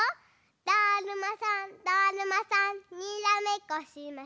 「だるまさんだるまさんにらめっこしましょ」